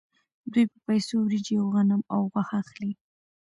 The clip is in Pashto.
دوی په پیسو وریجې او غنم او غوښه اخلي